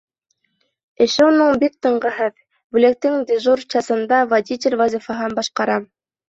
Эше уның бик тынғыһыҙ: бүлектең дежур часында водитель вазифаһын башҡара.